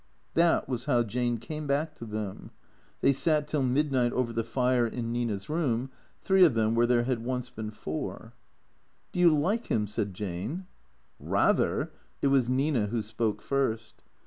Tliat was how Jane came back to them. They sat till mid THECEEATOES 113 night over the fire in Nina's room, three of them where there had once been four. "Do you like him?" said Jane. " Bather !" It was Nina who spoke first.